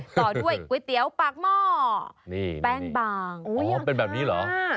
ต่อด้วยก๋วยเตี๋ยวปากหม้อนี่แป้งบางอ๋อเป็นแบบนี้เหรอ